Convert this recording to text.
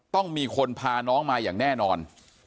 ต้องมีคนพาน้องมาอย่างแน่นอน